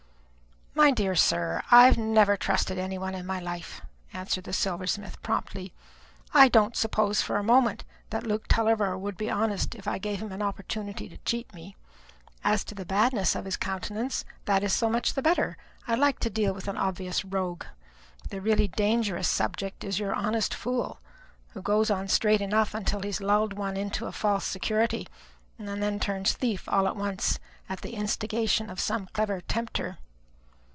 "My dear sir, I have never trusted any one in my life," answered the silversmith promptly. "I don't for a moment suppose that Luke Tulliver would be honest if I gave him an opportunity to cheat me. As to the badness of his countenance, that is so much the better. I like to deal with an obvious rogue. The really dangerous subject is your honest fool, who goes on straight enough till he has lulled one into a false security, and then turns thief all at once at the instigation of some clever tempter."